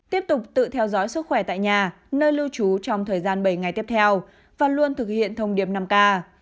tiếp tục tự theo dõi sức khỏe tại nhà nơi lưu trú trong thời gian bảy ngày tiếp theo và luôn thực hiện thông điệp năm k